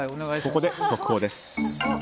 ここで速報です。